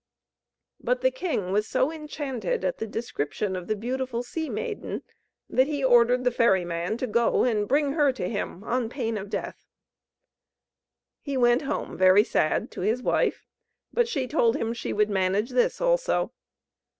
But the king was so enchanted at the description of the beautiful sea maiden, that he ordered the ferry man to go and bring her to him, on pain of death. He went home very sad to his wife, but she told him she would manage this also.